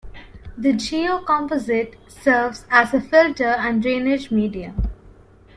The geocomposite serves as a filter and drainage medium.